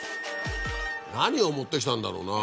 何を持ってきたんだろうな？